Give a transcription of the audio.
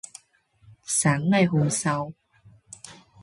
Sáng ngày hôm sau